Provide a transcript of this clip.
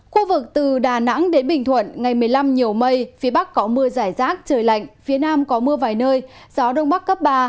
khu vực từ đà nẵng đến bình thuận ngày một mươi năm nhiều mây phía bắc có mưa giải rác trời lạnh phía nam có mưa vài nơi gió đông bắc cấp ba